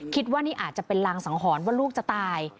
คิดว่านี่อาจจะเป็นรางสังหรณ์ว่าลูกจะตาย